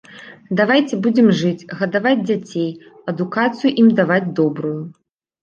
Давайце будзем жыць, гадаваць дзяцей, адукацыю ім даваць добрую.